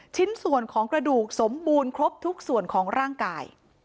ชิ้นส่วนของกระดูกสมบูรณ์ครบทุกส่วนของร่างกาย